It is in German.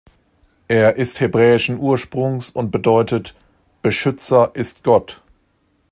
Er ist hebräischen Ursprungs und bedeutet: „Beschützer ist Gott“.